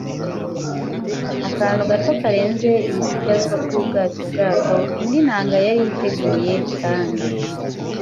akantu gato karenze ibisigazwa by'ubwato-bwato. Indi nanga yariteguye kandi